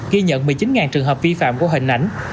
ghi nhận một mươi chín trường hợp vi phạm qua hình ảnh